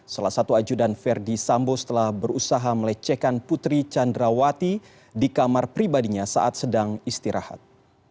salah satu ajudan verdi sambo setelah berusaha melecehkan putri candrawati di kamar pribadinya saat sedang istirahat